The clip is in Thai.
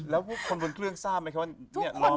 แล้วคนบนเครื่องทราบมั้ยคะว่าเนี่ยรอไม่กลาง